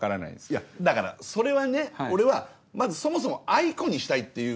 いやだからそれはね俺はまずそもそもあいこにしたいっていうこと。